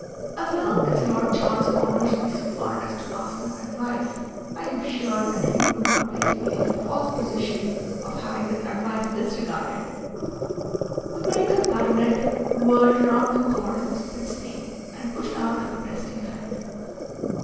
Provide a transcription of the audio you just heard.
"As long as Lord Charles honours me so far as to ask my advice I am sure that he would not place me in the false position of having that advice disregarded." The medical baronet whirled round the cord of his pince nez and pushed out a protesting hand.